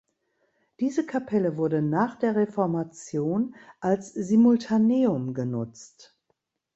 Diese Kapelle wurde nach der Reformation als Simultaneum genutzt.